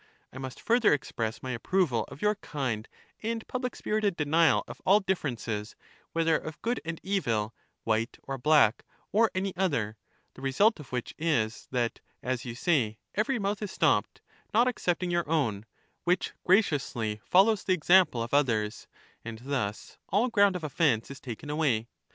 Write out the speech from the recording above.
I must further ex press my approval of your kind and public spirited denial of all differences, whether of good and evil, white or black, or any other; the result of which is that, as you say, every mouth is stopped, not except ing your own, which graciously follows the example of others; and thus all ground of offence is taken away.